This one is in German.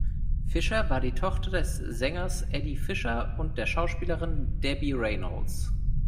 Fisher war die Tochter des Sängers Eddie Fisher und der Schauspielerin Debbie Reynolds.